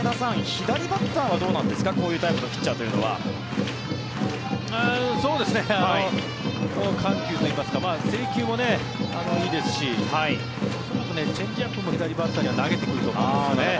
左バッターはどうなんですかこういうタイプのピッチャーというのは。緩急といいますか制球もいいですし恐らくチェンジアップも左バッターには投げてくると思います。